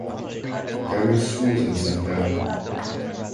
There are no schools in Sundown.